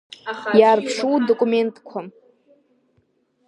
Иаарԥшы удокументқәа.